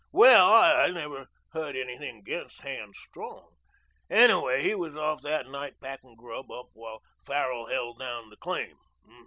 "Well, I never heard anything against Han Strong. Anyway, he was off that night packing grub up while Farrell held down the claim.